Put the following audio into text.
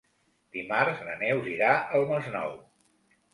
Dimarts na Neus irà al Masnou.